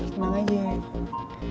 tenang aja ya